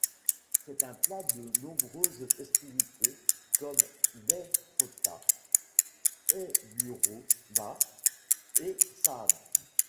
C'est un plat de nombreuses festivités, comme Bhai Phota, Aiburo Bhaat et Saadh.